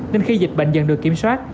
nên khi dịch bệnh dần được kiểm soát